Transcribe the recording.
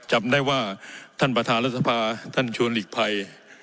จำได้ว่าท่านประธาราศาสตร์ท่านชูอลิกภัย